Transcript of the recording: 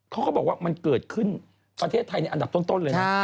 เขาก็บอกว่ามันเกิดขึ้นประเทศไทยในอันดับต้นเลยนะ